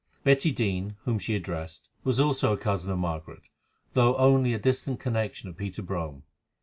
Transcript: Betty Dene, whom she addressed, was also a cousin of Margaret, though only a distant connection of Peter Brome.